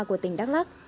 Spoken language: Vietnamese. của tỉnh đắk lắc